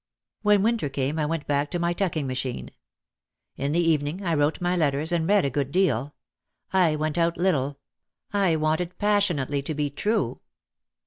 When winter came I went back to my tucking machine. In the evening I wrote my letters and read a good deal. I went out little. I wanted passionately to be "true."